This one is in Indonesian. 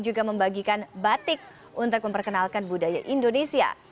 juga membagikan batik untuk memperkenalkan budaya indonesia